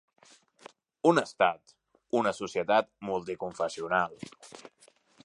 Un estat, una societat, multiconfessional.